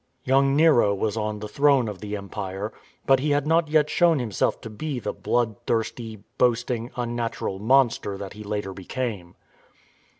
Young Nero was on the throne of the Empire, but he had not yet shown himself to be the bloodthirsty, boasting, unnatural monster that he later became.